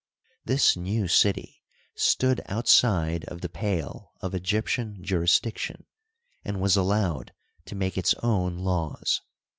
This new city stood outside of the pale of Egyptian jurisdiction, and was allowed to make its own laws.